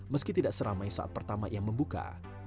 meski tidak seramai saat pertama ia membuka